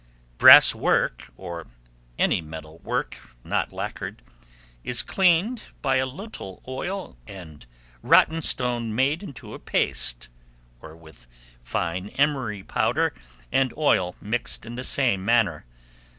Brass work, or any metal work not lacquered, is cleaned by a little oil and rottenstone made into a paste, or with fine emery powder and oil mixed in the same manner.